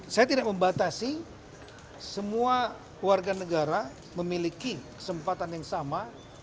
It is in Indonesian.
saya tidak membatasi semua warga negara memiliki kesempatan yang sama